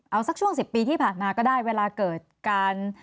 เอาสักช่วง๑๐ปีที่ผ่านมาก็ได้เวลาเกิดการ